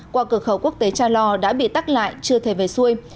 qua cửa khẩu quốc tế tra lo đã bị tắt lại chưa thể về xuôi